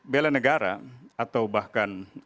bela negara atau bahkan